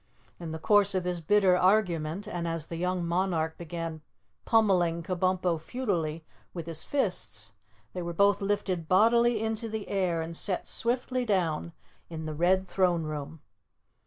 In the course of this bitter argument and as the young monarch began pummeling Kabumpo futilely with his fists, they were both lifted bodily into the air and set swiftly down in the Red Throne Room.